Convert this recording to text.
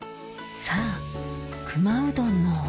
さぁ熊うどんのお味は？